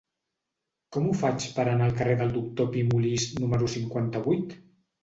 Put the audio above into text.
Com ho faig per anar al carrer del Doctor Pi i Molist número cinquanta-vuit?